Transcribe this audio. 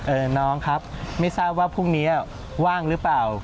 น้องครับไม่ทราบว่าพรุ่งนี้ว่างหรือเปล่า